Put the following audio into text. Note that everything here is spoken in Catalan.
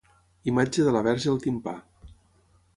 Imatge de la verge al timpà.